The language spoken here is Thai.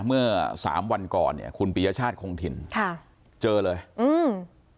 เมื่อสามวันก่อนเนี้ยคุณปียชาติคงถิ่นค่ะเจอเลยอืม